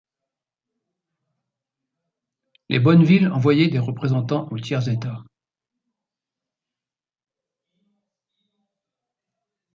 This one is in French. Les Bonnes villes envoyaient des représentants au Tiers Etats.